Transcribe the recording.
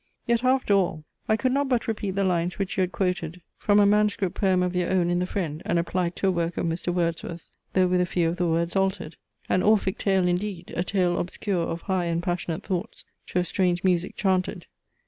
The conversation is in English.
"Yet after all, I could not but repeat the lines which you had quoted from a MS. poem of your own in the FRIEND, and applied to a work of Mr. Wordsworth's though with a few of the words altered: An Orphic tale indeed, A tale obscure of high and passionate thoughts To a strange music chanted!